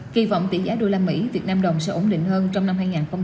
kỳ vọng tỷ giá đô la mỹ việt nam đồng sẽ ổn định hơn trong năm hai nghìn hai mươi bốn